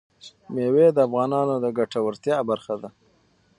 مېوې د افغانانو د ګټورتیا برخه ده.